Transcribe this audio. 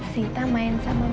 sita lagi malem sita mau tidur aja